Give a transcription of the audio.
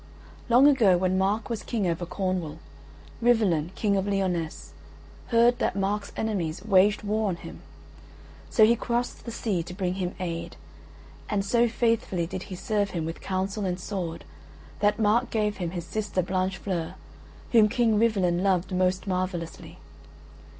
Long ago, when Mark was King over Cornwall, Rivalen, King of Lyonesse, heard that Mark's enemies waged war on him; so he crossed the sea to bring him aid; and so faithfully did he serve him with counsel and sword that Mark gave him his sister Blanchefleur, whom King Rivalen loved most marvellously.